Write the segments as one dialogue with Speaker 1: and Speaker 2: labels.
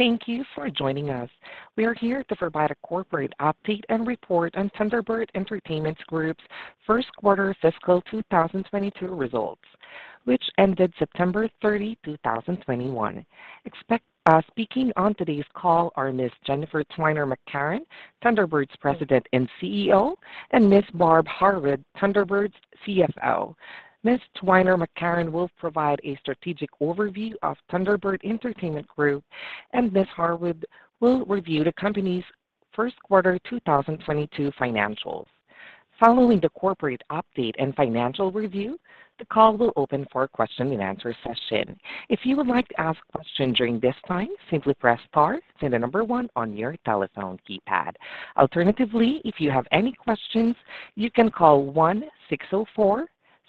Speaker 1: Thank you for joining us. We are here to provide a corporate update and report on Thunderbird Entertainment Group's first quarter fiscal 2022 results, which ended September 30, 2021. Speaking on today's call are Ms. Jennifer Twiner-McCarron, Thunderbird's President and CEO, and Ms. Barb Harwood, Thunderbird's CFO. Ms. Twiner-McCarron will provide a strategic overview of Thunderbird Entertainment Group, and Ms. Harwood will review the company's first quarter 2022 financials. Following the corporate update and financial review, the call will open for a question and answer session. If you would like to ask a question during this time, simply press star, then the number one on your telephone keypad. Alternatively, if you have any questions, you can call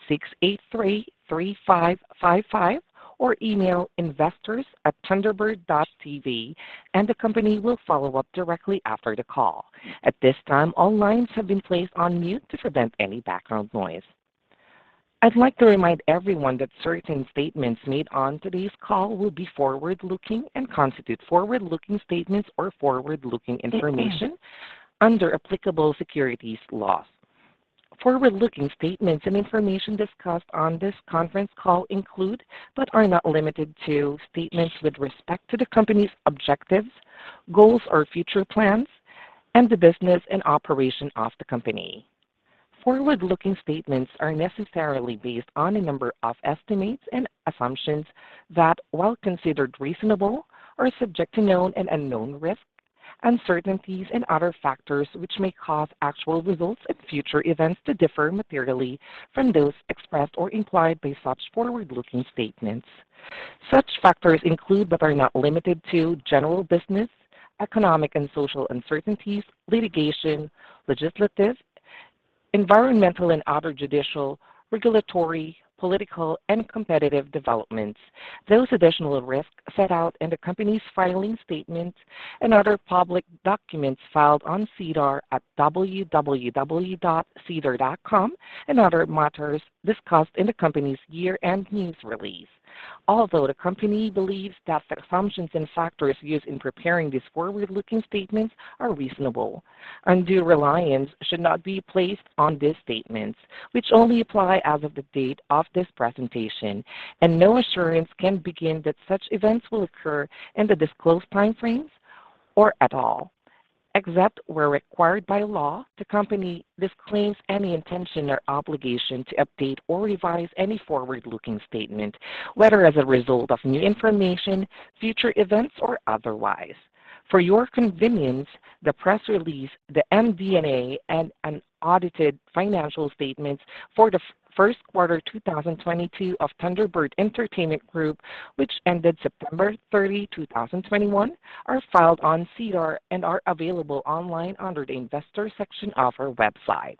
Speaker 1: 604-683-5555 or email investors@thunderbird.tv and the company will follow up directly after the call. At this time, all lines have been placed on mute to prevent any background noise. I'd like to remind everyone that certain statements made on today's call will be forward-looking and constitute forward-looking statements or forward-looking information under applicable securities laws. Forward-looking statements and information discussed on this conference call include, but are not limited to, statements with respect to the company's objectives, goals, or future plans and the business and operation of the company. Forward-looking statements are necessarily based on a number of estimates and assumptions that, while considered reasonable, are subject to known and unknown risks, uncertainties and other factors which may cause actual results and future events to differ materially from those expressed or implied by such forward-looking statements. Such factors include, but are not limited to, general business, economic and social uncertainties, litigation, legislative, environmental and other judicial, regulatory, political and competitive developments. Those additional risks set out in the company's filing statements and other public documents filed on SEDAR at www.sedar.com and other matters discussed in the company's year-end news release. Although the company believes that the assumptions and factors used in preparing these forward-looking statements are reasonable, undue reliance should not be placed on these statements, which only apply as of the date of this presentation, and no assurance can be given that such events will occur in the disclosed time frames or at all. Except where required by law, the company disclaims any intention or obligation to update or revise any forward-looking statement, whether as a result of new information, future events, or otherwise. For your convenience, the press release, the MD&A, and unaudited financial statements for the first quarter 2022 of Thunderbird Entertainment Group, which ended September 30, 2021, are filed on SEDAR and are available online under the investor section of our website.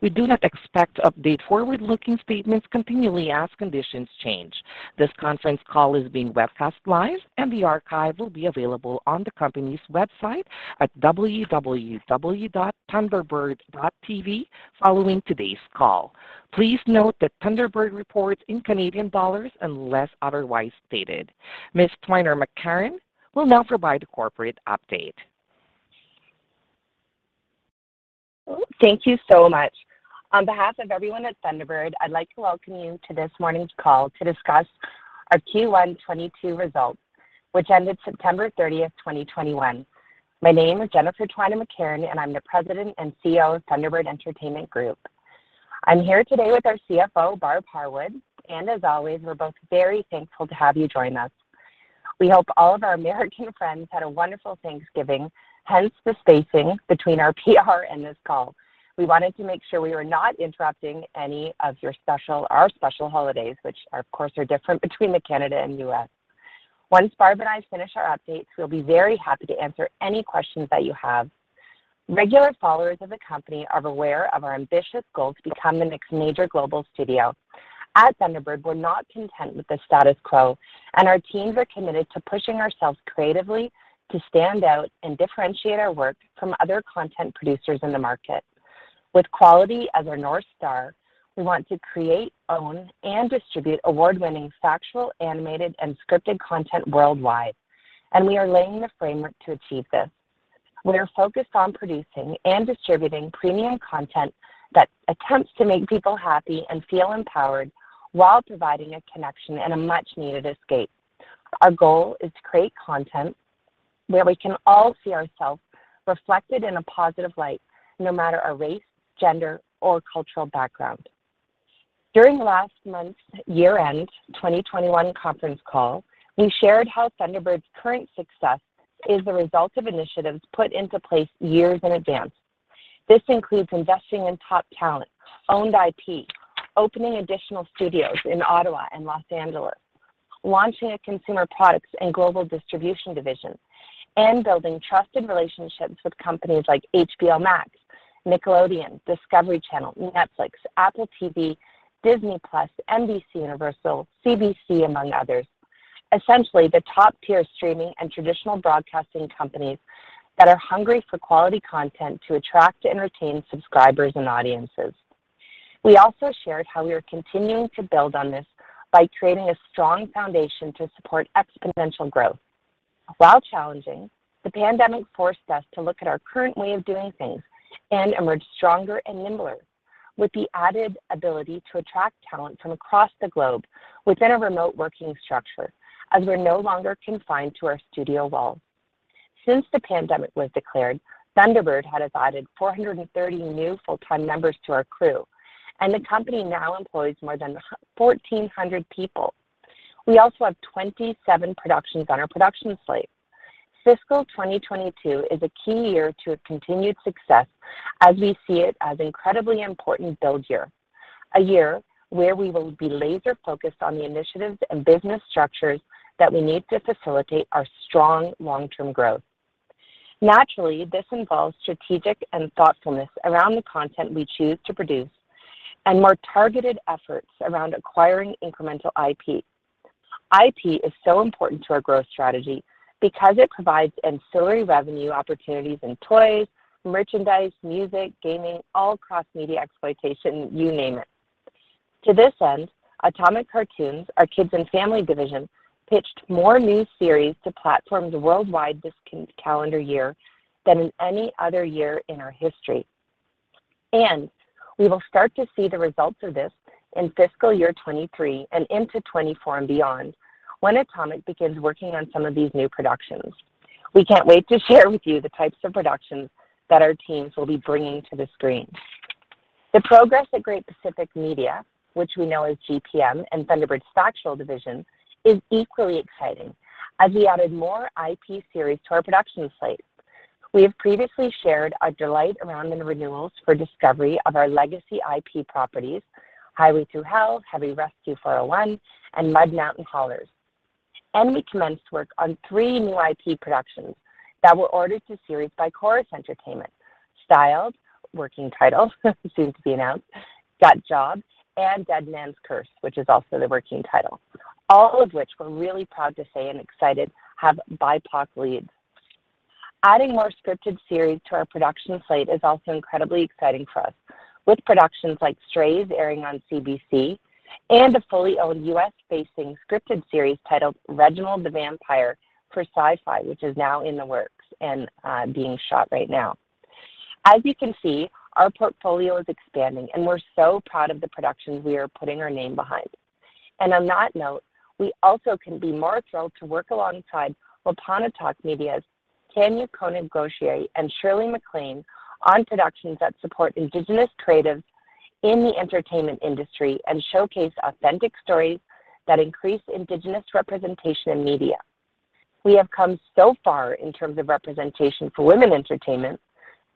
Speaker 1: We do not expect to update forward-looking statements continually as conditions change. This conference call is being webcast live and the archive will be available on the company's website at www.Thunderbird.tv following today's call. Please note that Thunderbird reports in Canadian dollars unless otherwise stated. Ms. Twiner-McCarron will now provide the corporate update.
Speaker 2: Thank you so much. On behalf of everyone at Thunderbird, I'd like to welcome you to this morning's call to discuss our Q1 2022 results, which ended September thirtieth, twenty twenty-one. My name is Jennifer Twiner-McCarron, and I'm the President and CEO of Thunderbird Entertainment Group. I'm here today with our CFO, Barb Harwood, and as always, we're both very thankful to have you join us. We hope all of our American friends had a wonderful Thanksgiving, hence the spacing between our PR and this call. We wanted to make sure we were not interrupting our special holidays, which of course are different between Canada and U.S. Once Barb and I finish our updates, we'll be very happy to answer any questions that you have. Regular followers of the company are aware of our ambitious goal to become the next major global studio. At Thunderbird, we're not content with the status quo, and our teams are committed to pushing ourselves creatively to stand out and differentiate our work from other content producers in the market. With quality as our north star, we want to create, own, and distribute award-winning factual, animated, and scripted content worldwide, and we are laying the framework to achieve this. We are focused on producing and distributing premium content that attempts to make people happy and feel empowered while providing a connection and a much-needed escape. Our goal is to create content where we can all see ourselves reflected in a positive light, no matter our race, gender, or cultural background. During last month's year-end 2021 conference call, we shared how Thunderbird's current success is the result of initiatives put into place years in advance. This includes investing in top talent, owned IP, opening additional studios in Ottawa and Los Angeles, launching a consumer products and global distribution division, and building trusted relationships with companies like HBO Max, Nickelodeon, Discovery Channel, Netflix, Apple TV, Disney+, NBCUniversal, CBC, among others. Essentially, the top-tier streaming and traditional broadcasting companies that are hungry for quality content to attract and retain subscribers and audiences. We also shared how we are continuing to build on this by creating a strong foundation to support exponential growth. While challenging, the pandemic forced us to look at our current way of doing things and emerge stronger and nimbler with the added ability to attract talent from across the globe within a remote working structure as we're no longer confined to our studio walls. Since the pandemic was declared, Thunderbird has added 430 new full-time members to our crew, and the company now employs more than 1,400 people. We also have 27 productions on our production slate. Fiscal 2022 is a key year to a continued success as we see it as incredibly important build year, a year where we will be laser-focused on the initiatives and business structures that we need to facilitate our strong long-term growth. Naturally, this involves strategy and thoughtfulness around the content we choose to produce and more targeted efforts around acquiring incremental IP. IP is so important to our growth strategy because it provides ancillary revenue opportunities in toys, merchandise, music, gaming, all across media exploitation, you name it. To this end, Atomic Cartoons, our Kids and Family division, pitched more new series to platforms worldwide this calendar year than in any other year in our history. We will start to see the results of this in fiscal year 2023 and into 2024 and beyond when Atomic begins working on some of these new productions. We can't wait to share with you the types of productions that our teams will be bringing to the screen. The progress at Great Pacific Media, which we know as GPM, and Thunderbird's factual division, is equally exciting as we added more IP series to our production slate. We have previously shared our delight around the renewals for Discovery of our legacy IP properties, Highway Thru Hell, Heavy Rescue: 401, and Mud Mountain Haulers, and we commenced work on three new IP productions that were ordered to series by Corus Entertainment, Styled, working title, soon to be announced, Gut Job, and Dead Man's Curse, which is also the working title, all of which we're really proud to say and excited to have BIPOC leads. Adding more scripted series to our production slate is also incredibly exciting for us. With productions like Strays airing on CBC and a fully owned U.S.-facing scripted series titled Reginald the Vampire for Syfy, which is now in the works and being shot right now. As you can see, our portfolio is expanding, and we're so proud of the productions we are putting our name behind. On that note, we also couldn't be more thrilled to work alongside Wapanatahk Media's Tania Koenig-Gautier and Shirley McLean on productions that support indigenous creatives in the entertainment industry and showcase authentic stories that increase indigenous representation in media. We have come so far in terms of representation for women in entertainment,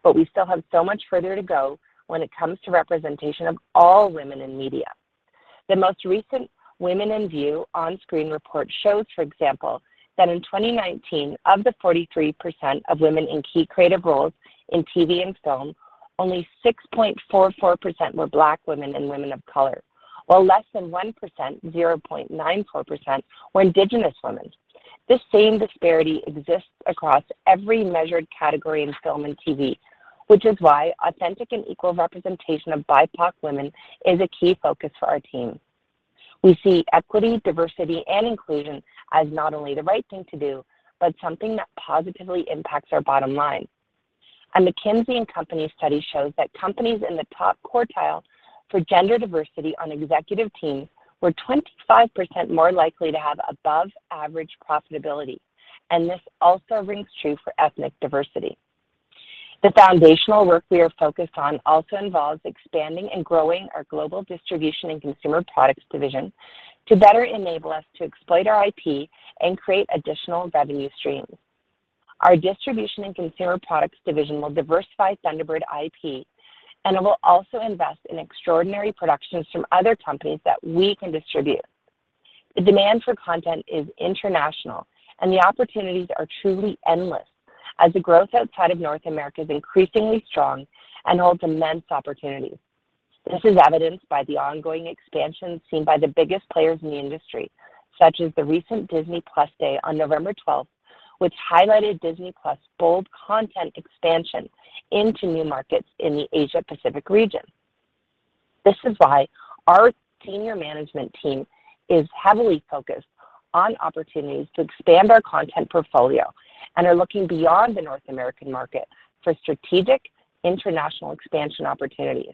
Speaker 2: but we still have so much further to go when it comes to representation of all women in media. The most recent Women In View On Screen Report shows, for example, that in 2019, of the 43% of women in key creative roles in TV and film, only 6.44% were Black women and women of color, while less than 1%, 0.94%, were indigenous women. This same disparity exists across every measured category in film and TV, which is why authentic and equal representation of BIPOC women is a key focus for our team. We see equity, diversity, and inclusion as not only the right thing to do but something that positively impacts our bottom line. A McKinsey & Company study shows that companies in the top quartile for gender diversity on executive teams were 25% more likely to have above-average profitability, and this also rings true for ethnic diversity. The foundational work we are focused on also involves expanding and growing our global distribution and consumer products division to better enable us to exploit our IP and create additional revenue streams. Our distribution and consumer products division will diversify Thunderbird IP, and it will also invest in extraordinary productions from other companies that we can distribute. The demand for content is international, and the opportunities are truly endless as the growth outside of North America is increasingly strong and holds immense opportunities. This is evidenced by the ongoing expansion seen by the biggest players in the industry, such as the recent Disney+ Day on November twelfth, which highlighted Disney+'s bold content expansion into new markets in the Asia-Pacific region. This is why our senior management team is heavily focused on opportunities to expand our content portfolio and are looking beyond the North American market for strategic international expansion opportunities.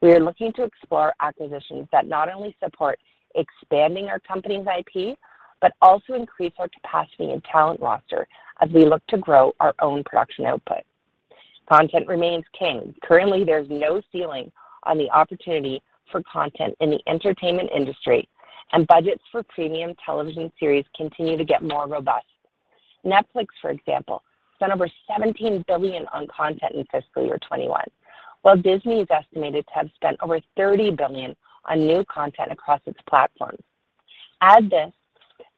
Speaker 2: We are looking to explore acquisitions that not only support expanding our company's IP but also increase our capacity and talent roster as we look to grow our own production output. Content remains king. Currently, there's no ceiling on the opportunity for content in the entertainment industry, and budgets for premium television series continue to get more robust. Netflix, for example, spent over 17 billion on content in fiscal year 2021, while Disney is estimated to have spent over 30 billion on new content across its platforms. Add to this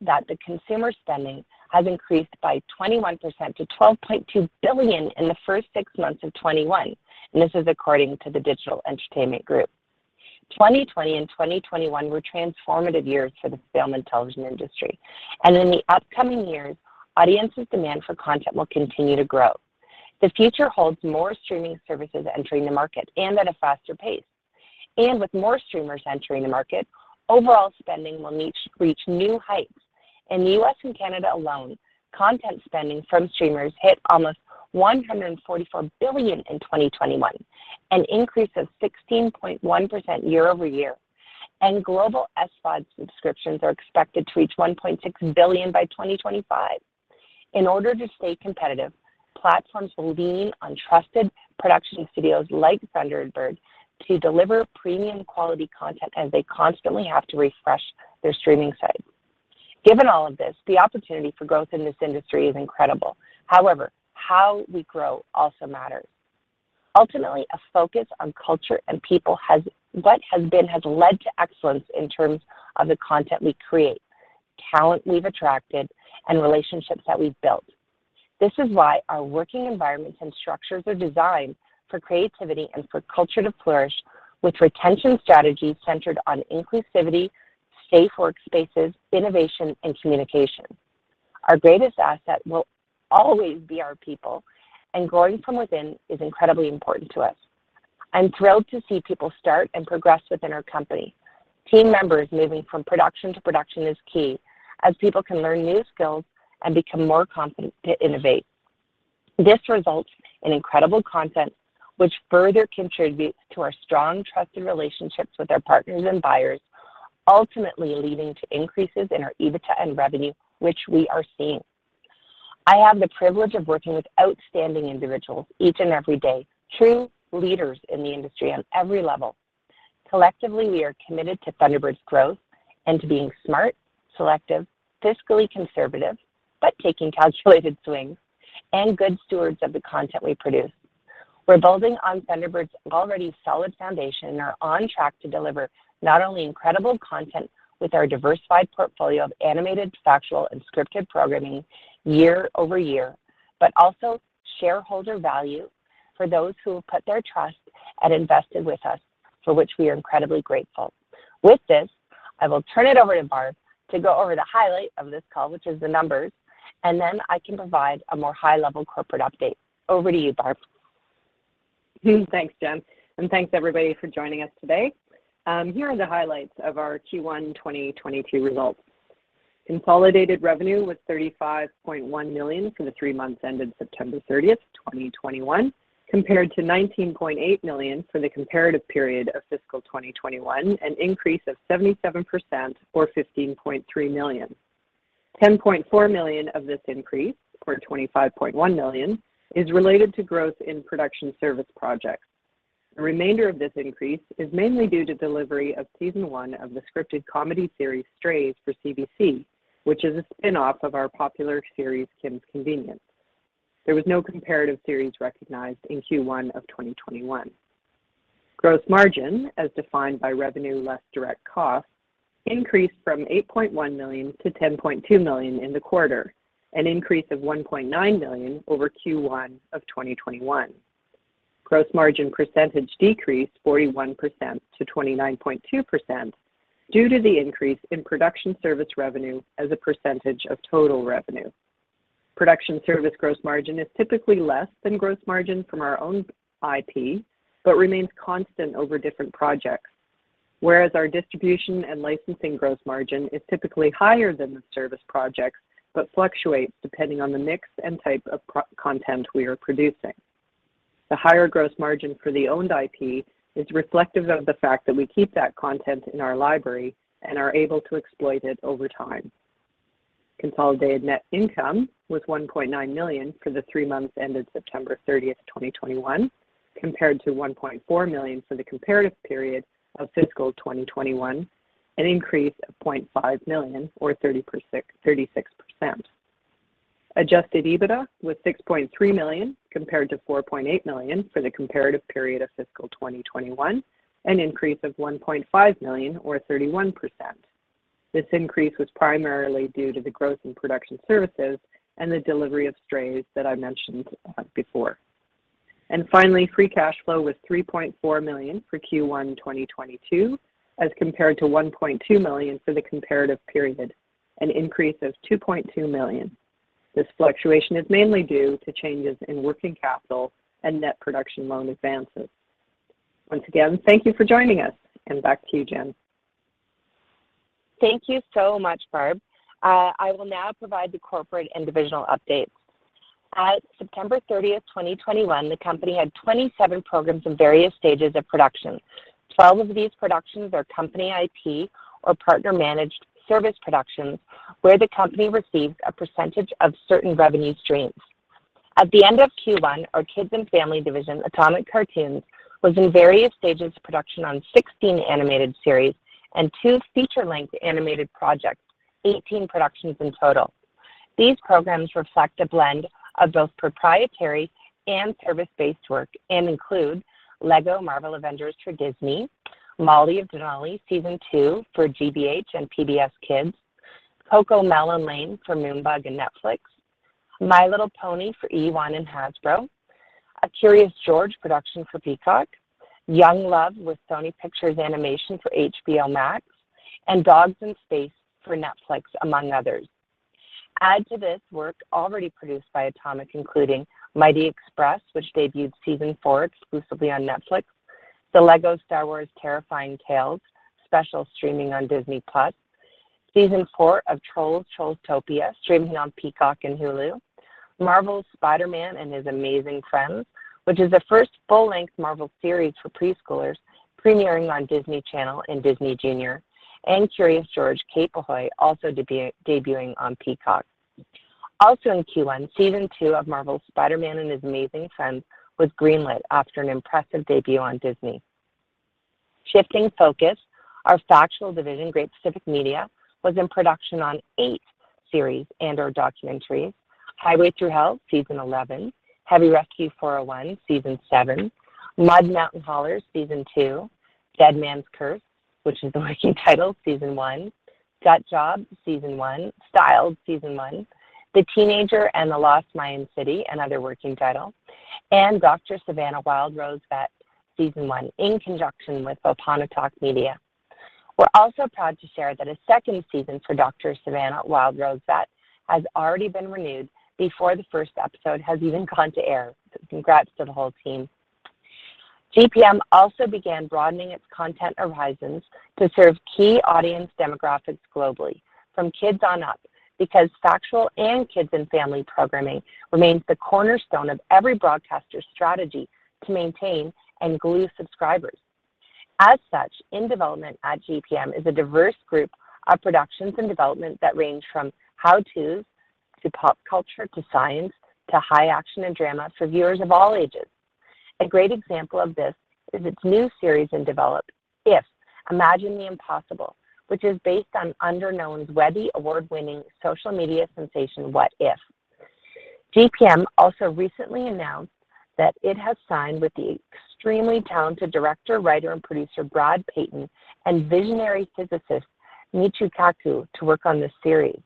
Speaker 2: that the consumer spending has increased by 21% to 12.2 billion in the first six months of 2021, and this is according to the Digital Entertainment Group. 2020 and 2021 were transformative years for the film and television industry, and in the upcoming years, audiences' demand for content will continue to grow. The future holds more streaming services entering the market and at a faster pace. With more streamers entering the market, overall spending will reach new heights. In the U.S. and Canada alone, content spending from streamers hit almost 144 billion in 2021, an increase of 16.1% year-over-year. Global SVOD subscriptions are expected to reach 1.6 billion by 2025. In order to stay competitive, platforms will lean on trusted production studios like Thunderbird to deliver premium quality content as they constantly have to refresh their streaming sites. Given all of this, the opportunity for growth in this industry is incredible. However, how we grow also matters. Ultimately, a focus on culture and people has led to excellence in terms of the content we create, talent we've attracted, and relationships that we've built. This is why our working environments and structures are designed for creativity and for culture to flourish with retention strategies centered on inclusivity, safe workspaces, innovation, and communication. Our greatest asset will always be our people, and growing from within is incredibly important to us. I'm thrilled to see people start and progress within our company. Team members moving from production to production is key as people can learn new skills and become more confident to innovate. This results in incredible content, which further contributes to our strong trusted relationships with our partners and buyers, ultimately leading to increases in our EBITDA and revenue, which we are seeing. I have the privilege of working with outstanding individuals each and every day, true leaders in the industry on every level. Collectively, we are committed to Thunderbird's growth and to being smart, selective, fiscally conservative, but taking calculated swings, and good stewards of the content we produce. We're building on Thunderbird's already solid foundation and are on track to deliver not only incredible content with our diversified portfolio of animated, factual, and scripted programming year-over-year, but also shareholder value for those who have put their trust and invested with us, for which we are incredibly grateful. With this, I will turn it over to Barb to go over the highlight of this call, which is the numbers, and then I can provide a more high-level corporate update. Over to you, Barb.
Speaker 3: Thanks, Jen, and thanks everybody for joining us today. Here are the highlights of our Q1 2022 results. Consolidated revenue was 35.1 million for the three months ended September 30, 2021, compared to 19.8 million for the comparative period of fiscal 2021, an increase of 77% or 15.3 million. 10.4 million of this increase, or 25.1 million, is related to growth in production service projects. The remainder of this increase is mainly due to delivery of season one of the scripted comedy series Strays for CBC, which is a spinoff of our popular series Kim's Convenience. There was no comparative series recognized in Q1 of 2021. Gross margin, as defined by revenue less direct costs, increased from 8.1 million to 10.2 million in the quarter, an increase of1.9 million over Q1 of 2021. Gross margin percentage decreased 41% to 29.2% due to the increase in production service revenue as a percentage of total revenue. Production service gross margin is typically less than gross margin from our own IP, but remains constant over different projects. Whereas our distribution and licensing gross margin is typically higher than the service projects, but fluctuates depending on the mix and type of content we are producing. The higher gross margin for the owned IP is reflective of the fact that we keep that content in our library and are able to exploit it over time. Consolidated net income was 1.9 million for the three months ended September 30, 2021, compared to 1.4 million for the comparative period of fiscal 2021, an increase of 0.5 million or 36%. Adjusted EBITDA was 6.3 million compared to 4.8 million for the comparative period of fiscal 2021, an increase of 1.5 million or 31%. This increase was primarily due to the growth in production services and the delivery of Strays that I mentioned before. Finally, free cash flow was 3.4 million for Q1 2022, as compared to 1.2 million for the comparative period, an increase of 2.2 million. This fluctuation is mainly due to changes in working capital and net production loan advances. Once again, thank you for joining us, and back to you, Jen.
Speaker 2: Thank you so much, Barb. I will now provide the corporate and divisional updates. At September 30, 2021, the company had 27 programs in various stages of production. Twelve of these productions are company IP or partner-managed service productions where the company receives a percentage of certain revenue streams. At the end of Q1, our kids and family division, Atomic Cartoons, was in various stages of production on 16 animated series and two feature-length animated projects, 18 productions in total. These programs reflect a blend of both proprietary and service-based work and include LEGO Marvel Avengers for Disney, Molly of Denali Season two for GBH and PBS KIDS, CoComelon Lane for Moonbug and Netflix, My Little Pony for eOne and Hasbro. Curious George production for Peacock, Young Love with Sony Pictures Animation for HBO Max, and Dogs in Space for Netflix, among others. Add to this work already produced by Atomic Cartoons, including Mighty Express, which debuted season 4 exclusively on Netflix, The LEGO Star Wars Terrifying Tales special streaming on Disney+, season four of Trolls: TrollsTopia streaming on Peacock and Hulu, Marvel's Spidey and His Amazing Friends, which is the first full-length Marvel series for preschoolers premiering on Disney Channel and Disney Junior, and Curious George: Cape Ahoy! also debuting on Peacock. Also in Q1, season two of Marvel's Spidey and His Amazing Friends was green lit after an impressive debut on Disney. Shifting focus, our factual division, Great Pacific Media, was in production on eight series and/or documentaries. Highway Thru Hell, season 11, Heavy Rescue: 401, season seven, Mud Mountain Haulers, season two, Dead Man's Curse, which is the working title, season one, Gut Job, season one, Styled, season one, The Teenager and the Lost Mayan City, another working title, and Dr. Savannah: Wild Rose Vet, season one, in conjunction with Wapanatahk Media. We're also proud to share that a second season for Dr. Savannah: Wild Rose Vet has already been renewed before the first episode has even gone to air, so congrats to the whole team. GPM also began broadening its content horizons to serve key audience demographics globally from kids on up, because factual and kids and family programming remains the cornerstone of every broadcaster's strategy to maintain and glue subscribers. As such, in development at GPM is a diverse group of productions in development that range from how-tos, to pop culture, to science, to high action and drama for viewers of all ages. A great example of this is its new series in development, If: Imagine the Impossible, which is based on Underknown's Webby Award-winning social media sensation What If. GPM also recently announced that it has signed with the extremely talented director, writer, and producer Brad Peyton and visionary physicist Michio Kaku to work on this series.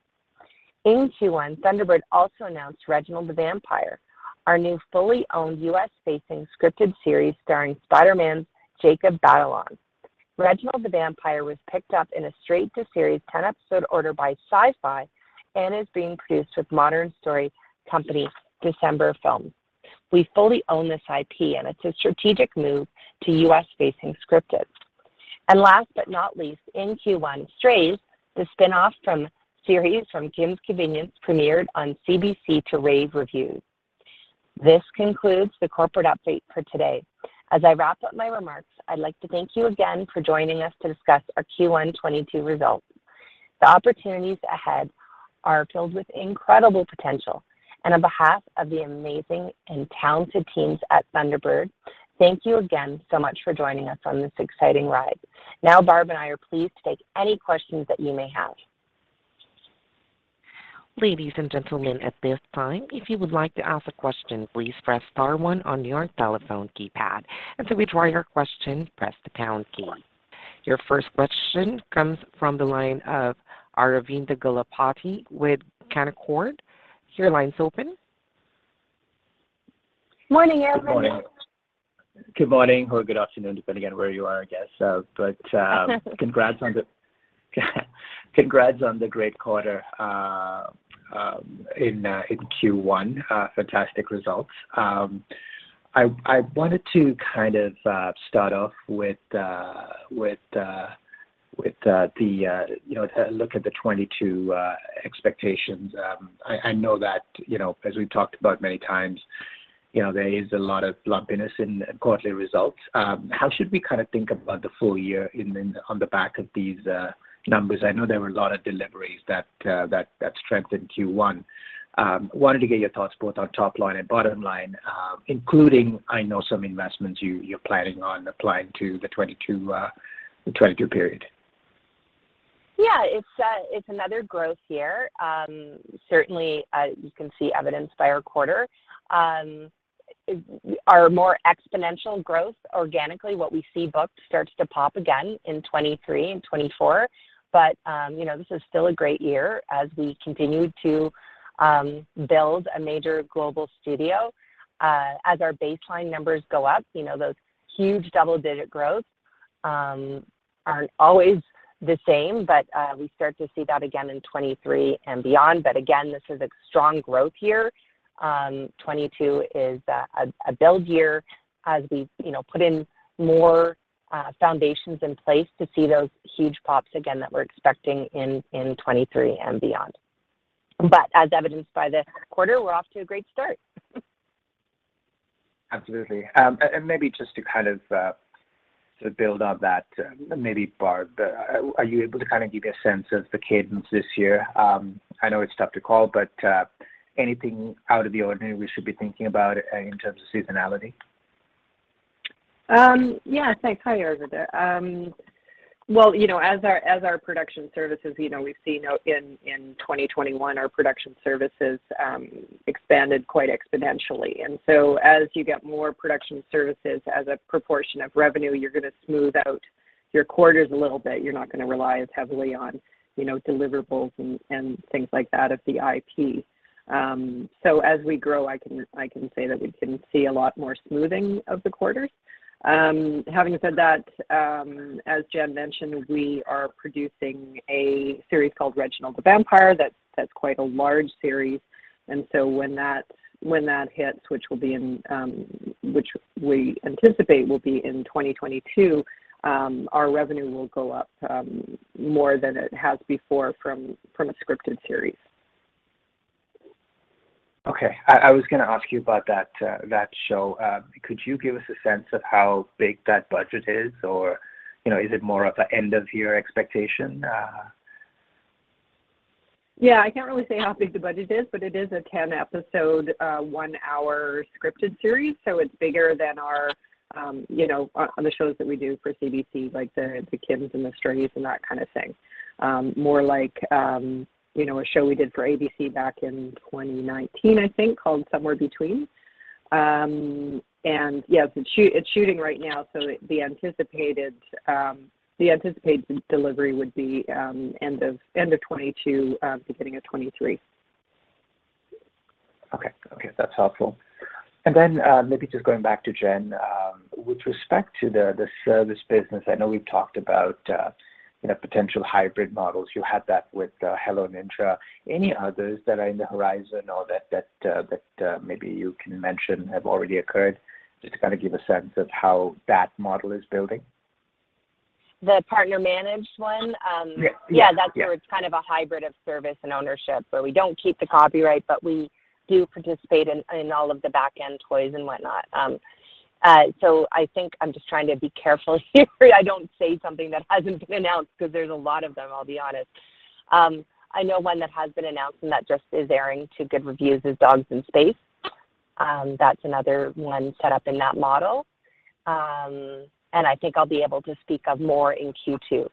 Speaker 2: In Q1, Thunderbird also announced Reginald the Vampire, our new fully-owned, U.S.-facing scripted series starring Spider-Man's Jacob Batalon. Reginald the Vampire was picked up in a straight-to-series 10-episode order by Syfy and is being produced with Modern Story Company, December Films. We fully own this IP, and it's a strategic move to U.S.-facing scripted. Last but not least, in Q1, Strays, the spin-off series from Kim's Convenience premiered on CBC to rave reviews. This concludes the corporate update for today. As I wrap up my remarks, I'd like to thank you again for joining us to discuss our Q1 2022 results. The opportunities ahead are filled with incredible potential. On behalf of the amazing and talented teams at Thunderbird, thank you again so much for joining us on this exciting ride. Now Barb and I are pleased to take any questions that you may have.
Speaker 1: Ladies and gentlemen, at this time, if you would like to ask a question, please press star one on your telephone keypad. After we take your question, press the pound key. Your first question comes from the line of Aravinda Galappatthige with Canaccord Genuity. Your line's open.
Speaker 2: Morning, Aravinda Galappatthige.
Speaker 4: Good morning. Good morning or good afternoon, depending on where you are, I guess. Congrats on the great quarter in Q1. Fantastic results. I wanted to kind of start off with you know, to look at the 2022 expectations. I know that, you know, as we've talked about many times, you know, there is a lot of lumpiness in quarterly results. How should we kind of think about the full year on the back of these numbers? I know there were a lot of deliveries that strengthened Q1. I wanted to get your thoughts both on top line and bottom line, including, I know, some investments you're planning on applying to the 2022 period.
Speaker 2: Yeah. It's another growth year. Certainly, you can see, as evidenced by our quarter. Our more exponential growth organically, what we see booked, starts to pop again in 2023 and 2024. You know, this is still a great year as we continue to build a major global studio. As our baseline numbers go up, you know, those huge double-digit growths aren't always the same, but we start to see that again in 2023 and beyond. Again, this is a strong growth year. 2022 is a build year as we, you know, put in more foundations in place to see those huge pops again that we're expecting in 2023 and beyond. As evidenced by the quarter, we're off to a great start.
Speaker 4: Absolutely. And maybe just to kind of to build on that, maybe Barb, are you able to kind of give me a sense of the cadence this year? I know it's tough to call, but anything out of the ordinary we should be thinking about in terms of seasonality?
Speaker 3: Yeah. Thanks. Hi, Aravinda. Well, you know, as our production services, you know, we've seen in 2021 our production services expanded quite exponentially. As you get more production services as a proportion of revenue, you're going to smooth out- Our quarters a little bit. You're not going to rely as heavily on, you know, deliverables and things like that of the IP. As we grow, I can say that we can see a lot more smoothing of the quarters. Having said that, as Jen mentioned, we are producing a series called Reginald the Vampire that's quite a large series, and so when that hits, which we anticipate will be in 2022, our revenue will go up more than it has before from a scripted series.
Speaker 4: Okay. I was going to ask you about that show. Could you give us a sense of how big that budget is? Or, you know, is it more of an end-of-year expectation?
Speaker 3: Yeah, I can't really say how big the budget is, but it is a 10-episode, one-hour scripted series, so it's bigger than our, you know, on the shows that we do for CBC, like Kim's and Strays, and that kind of thing. More like, you know, a show we did for ABC back in 2019, I think, called Somewhere Between. Yeah, it's shooting right now, so the anticipated delivery would be, end of 2022, beginning of 2023.
Speaker 4: Okay. Okay, that's helpful. Then, maybe just going back to Jen. With respect to the service business, I know we've talked about, you know, potential hybrid models. You had that with Hello Ninja. Any others that are on the horizon or that maybe you can mention have already occurred just to kind of give a sense of how that model is building?
Speaker 2: The partner-managed one?
Speaker 4: Yeah.
Speaker 2: Yeah, that's where it's kind of a hybrid of service and ownership where we don't keep the copyright, but we do participate in all of the back-end toys and whatnot. I think I'm just trying to be careful here I don't say something that hasn't been announced 'cause there's a lot of them, I'll be honest. I know one that has been announced and that just is airing to good reviews is Dogs in Space. That's another one set up in that model. I think I'll be able to speak of more in Q2.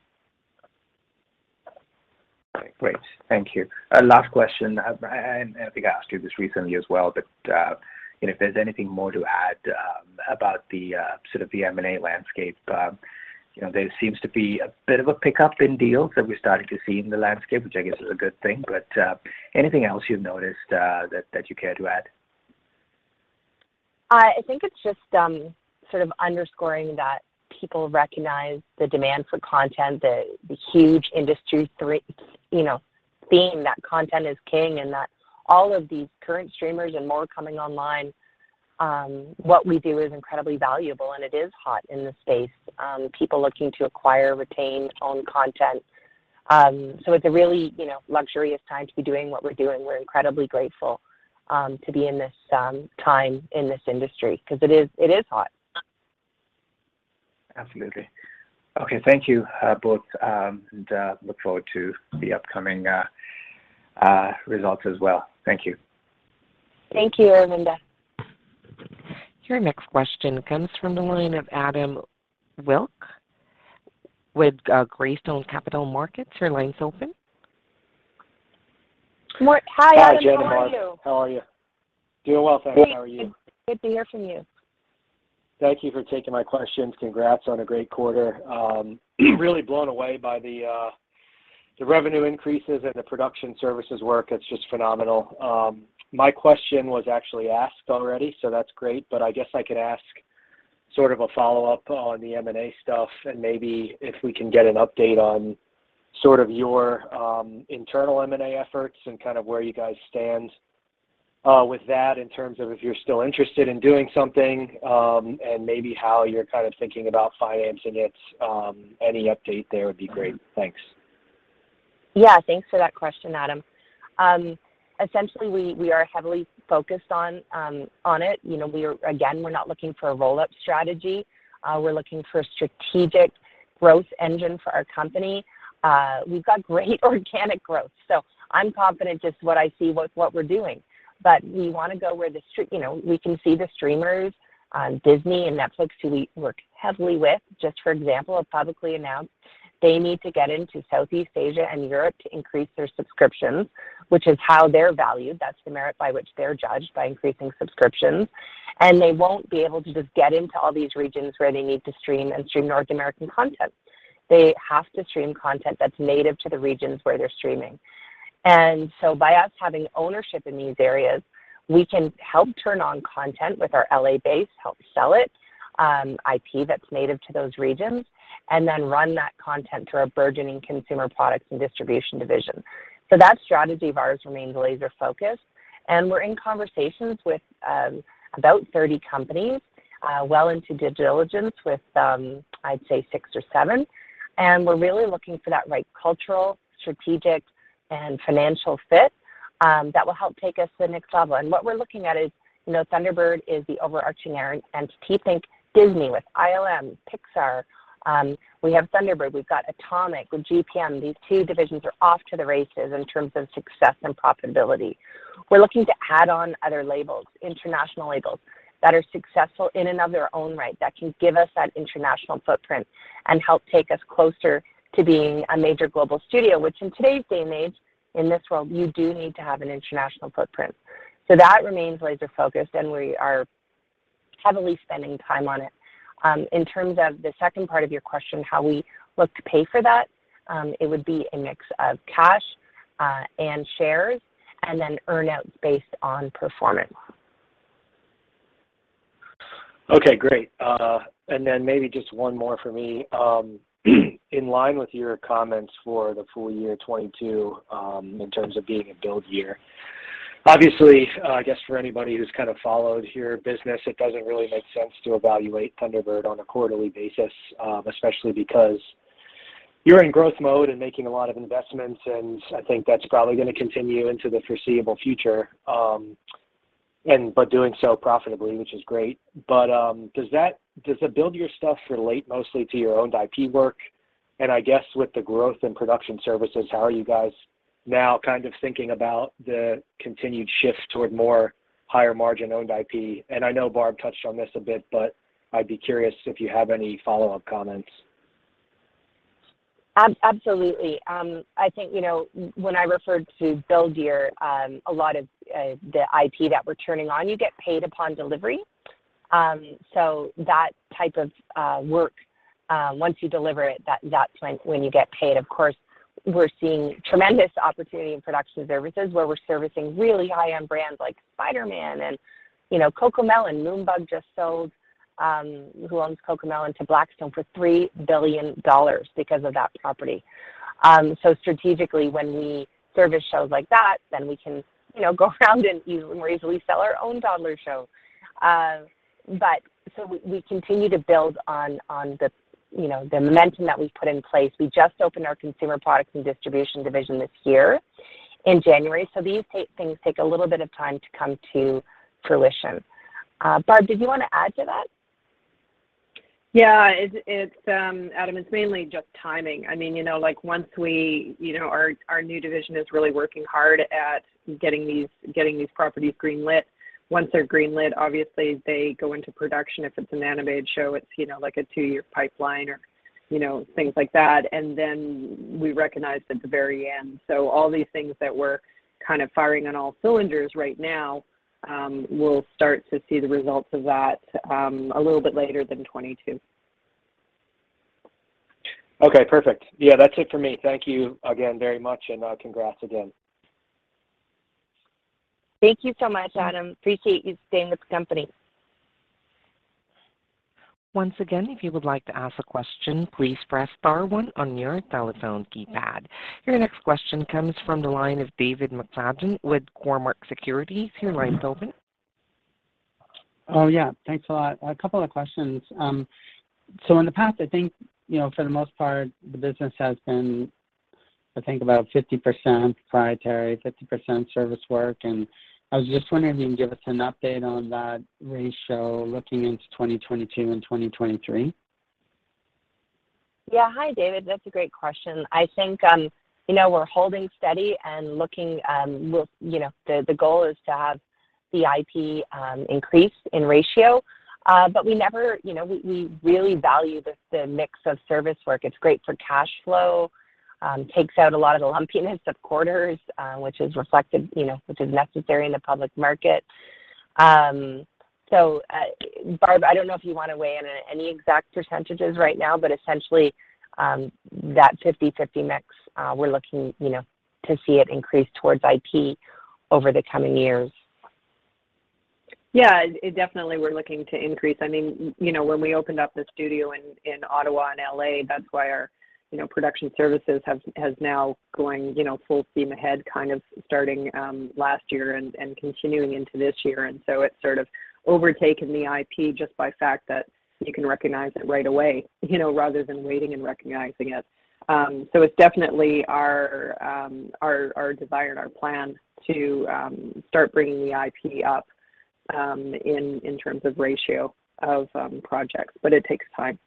Speaker 4: Great. Thank you. Last question. I think I asked you this recently as well, but you know, if there's anything more to add about the sort of the M&A landscape. You know, there seems to be a bit of a pickup in deals that we're starting to see in the landscape, which I guess is a good thing. Anything else you've noticed that you care to add?
Speaker 2: I think it's just sort of underscoring that people recognize the demand for content, the huge industry you know, theme that content is king, and that all of these current streamers and more coming online, what we do is incredibly valuable, and it is hot in the space. People looking to acquire, retain, own content. So it's a really you know, luxurious time to be doing what we're doing. We're incredibly grateful to be in this time in this industry 'cause it is hot.
Speaker 4: Absolutely. Okay, thank you both, and look forward to the upcoming results as well. Thank you.
Speaker 2: Thank you, Aravinda Galappatthige.
Speaker 1: Your next question comes from the line of Adam Wilk with Greystone Capital Management. Your line's open.
Speaker 2: Hi Adam, how are you?
Speaker 5: Hi Jen and Barb. How are you? Doing well, thanks. How are you?
Speaker 2: Great. It's good to hear from you.
Speaker 5: Thank you for taking my questions. Congrats on a great quarter. Really blown away by the revenue increases and the production services work. It's just phenomenal. My question was actually asked already, so that's great, but I guess I could ask sort of a follow-up on the M&A stuff and maybe if we can get an update on sort of your internal M&A efforts and kind of where you guys stand with that in terms of if you're still interested in doing something and maybe how you're kind of thinking about financing it. Any update there would be great. Thanks.
Speaker 2: Yeah. Thanks for that question, Adam. Essentially, we are heavily focused on it. You know, again, we're not looking for a roll-up strategy. We're looking for a strategic growth engine for our company. We've got great organic growth, so I'm confident just what I see with what we're doing. But we want to go where you know, we can see the streamers, Disney and Netflix, who we work heavily with, just for example, have publicly announced they need to get into Southeast Asia and Europe to increase their subscriptions, which is how they're valued. That's the merit by which they're judged, by increasing subscriptions. They won't be able to just get into all these regions where they need to stream and stream North American content. They have to stream content that's native to the regions where they're streaming. By us having ownership in these areas, we can help turn out content with our L.A. base, help sell it, IP that's native to those regions, and then run that content through our burgeoning consumer products and distribution division. That strategy of ours remains laser-focused, and we're in conversations with about 30 companies, well into due diligence with, I'd say six or seven, and we're really looking for that right cultural, strategic, and financial fit that will help take us to the next level. What we're looking at is, Thunderbird is the overarching entity. Think Disney with ILM, Pixar. We have Thunderbird, we've got Atomic with GPM. These two divisions are off to the races in terms of success and profitability. We're looking to add on other labels, international labels, that are successful in and of their own right, that can give us that international footprint and help take us closer to being a major global studio, which in today's day and age, in this world, you do need to have an international footprint. That remains laser-focused, and we are heavily spending time on it. In terms of the second part of your question, how we look to pay for that, it would be a mix of cash, and shares, and then earn out based on performance.
Speaker 5: Okay, great. Maybe just one more for me. In line with your comments for the full year 2022, in terms of being a build year, obviously, I guess for anybody who's kind of followed your business, it doesn't really make sense to evaluate Thunderbird on a quarterly basis, especially because you're in growth mode and making a lot of investments, and I think that's probably going to continue into the foreseeable future, doing so profitably, which is great. Does the build year stuff relate mostly to your own IP work? I guess with the growth in production services, how are you guys now kind of thinking about the continued shift toward more higher margin owned IP? I know Barb touched on this a bit, but I'd be curious if you have any follow-up comments.
Speaker 2: Absolutely. I think, you know, when I referred to build year, a lot of the IP that we're turning on, you get paid upon delivery. That type of work, once you deliver it, that's when you get paid. Of course, we're seeing tremendous opportunity in production services, where we're servicing really high-end brands like Spider-Man and, you know, CoComelon. Moonbug just sold, who owns CoComelon, to Blackstone for $3 billion because of that property. Strategically, when we service shows like that, then we can, you know, go around and easily sell our own toddler show. We continue to build on the momentum that we've put in place. We just opened our consumer products and distribution division this year in January, so these things take a little bit of time to come to fruition. Barb, did you want to add to that?
Speaker 3: Yeah. It's Adam, it's mainly just timing. I mean, you know, like once we you know our new division is really working hard at getting these properties green-lit. Once they're green-lit, obviously they go into production. If it's an animated show, it's you know like a two-year pipeline or you know things like that. Then we recognize at the very end. All these things that we're kind of firing on all cylinders right now, we'll start to see the results of that a little bit later than 2022.
Speaker 5: Okay, perfect. Yeah, that's it for me. Thank you again very much, and congrats again.
Speaker 2: Thank you so much, Adam. I appreciate you staying with the company.
Speaker 1: Once again, if you would like to ask a question, please press star one on your telephone keypad. Your next question comes from the line of David McFadgen with Cormark Securities. Your line's open.
Speaker 6: Oh, yeah. Thanks a lot. A couple of questions. In the past, I think, you know, for the most part, the business has been, I think about 50% proprietary, 50% service work, and I was just wondering if you can give us an update on that ratio looking into 2022 and 2023.
Speaker 2: Yeah. Hi, David. That's a great question. I think, you know, we're holding steady and looking. You know, the goal is to have the IP increase in ratio. You know, we really value the mix of service work. It's great for cash flow, takes out a lot of the lumpiness of quarters, which is reflected, you know, which is necessary in the public market. Barb, I don't know if you want to weigh in on any exact percentages right now, but essentially, that 50/50 mix, we're looking, you know, to see it increase towards IP over the coming years.
Speaker 3: Yeah. Definitely we're looking to increase. I mean, you know, when we opened up the studio in Ottawa and L.A., that's why our production services has now gone full steam ahead, kind of starting last year and continuing into this year. It's sort of overtaken the IP just by the fact that you can recognize it right away, you know, rather than waiting and recognizing it. It's definitely our desire and our plan to start bringing the IP up in terms of ratio of projects, but it takes time.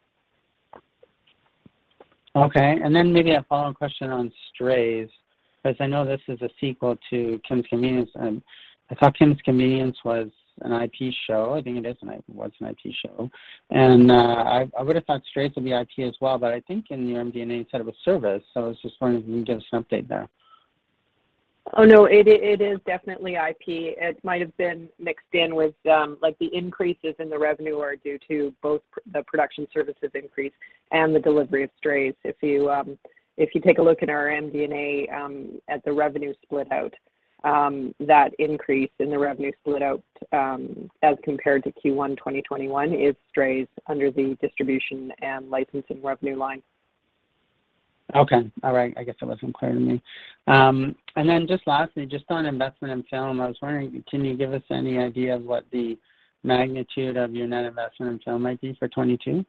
Speaker 6: Okay. Then maybe a follow-up question on Strays, 'cause I know this is a sequel to Kim's Convenience. I thought Kim's Convenience was an IP show. I think it was an IP show. I would've thought Strays would be IP as well, but I think in your MD&A it said it was service. I was just wondering if you can give us an update there.
Speaker 3: Oh, no, it is definitely IP. It might have been mixed in with like the increases in the revenue are due to both the production services increase and the delivery of Strays. If you take a look at our MD&A, at the revenue split out, that increase in the revenue split out, as compared to Q1 2021, is Strays under the distribution and licensing revenue line.
Speaker 6: Okay. All right. I guess it wasn't clear to me. Just lastly, just on investment in film, I was wondering, can you give us any idea of what the magnitude of your net investment in film might be for 2022?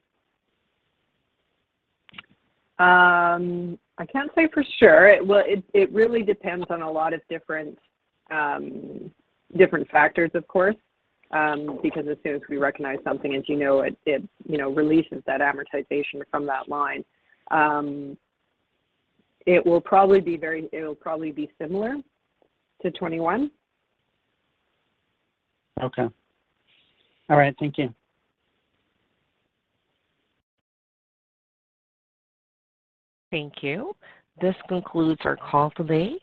Speaker 3: I can't say for sure. It really depends on a lot of different factors, of course, because as soon as we recognize something, as you know, it releases that amortization from that line. It'll probably be very similar to 2021.
Speaker 6: Okay. All right. Thank you.
Speaker 1: Thank you. This concludes our call today.